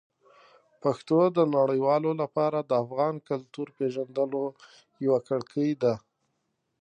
پښتو د نړیوالو لپاره د افغان کلتور پېژندلو یوه کړکۍ ده.